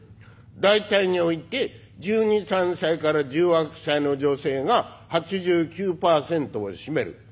『大体において１２１３歳から１８１９歳の女性が８９％を占める。